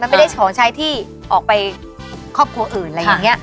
ไม่ได้ของใช้ที่ออกไปครอบครัวอื่นอะไรอย่างนี้